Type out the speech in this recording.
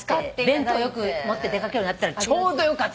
弁当よく持って出掛けるようになったらちょうどよかった。